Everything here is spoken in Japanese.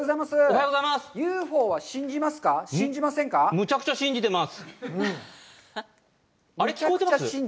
むちゃむちゃ信じてる。